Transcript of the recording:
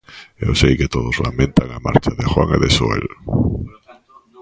Eu sei que todos lamentan a marcha de Juan e de Xoel.